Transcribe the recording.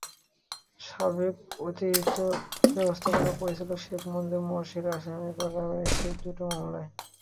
সাবেক অতিরিক্ত ব্যবস্থাপনা পরিচালক শেখ মঞ্জুর মোরশেদকে আসামি করা হয়েছে দুটি মামলায়।